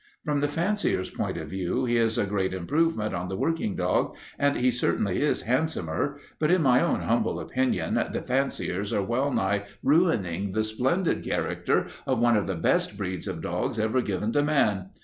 From the fancier's point of view he is a great improvement on the working dog, and he certainly is handsomer, but in my own humble opinion the fanciers are well nigh ruining the splendid character of one of the best breeds of dogs ever given to man.